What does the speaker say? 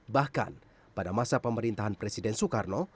bahkan pada masa pemerintahan presiden soekarno